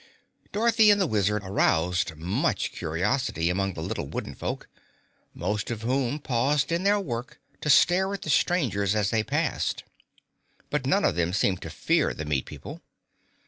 Dorothy and the Wizard aroused much curiosity among the little wooden folk, most of whom paused in their work to stare at the strangers as they passed. But none of them seemed to fear the meat people.